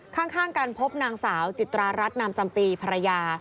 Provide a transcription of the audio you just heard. ข้างกันพบนางสาวจิตรารัฐนามจำปีภรรยา